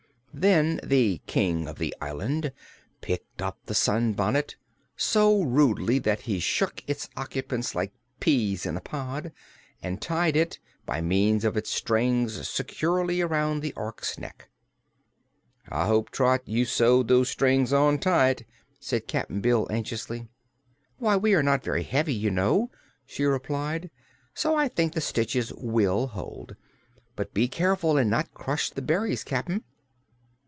Then the King of the Island picked up the sunbonnet so rudely that he shook its occupants like peas in a pod and tied it, by means of its strings, securely around the Ork's neck. "I hope, Trot, you sewed those strings on tight," said Cap'n Bill anxiously. "Why, we are not very heavy, you know," she replied, "so I think the stitches will hold. But be careful and not crush the berries, Cap'n."